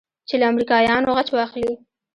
چې له امريکايانو غچ واخلې.